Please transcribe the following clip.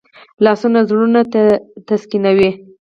لاسونه زړونه تسکینوي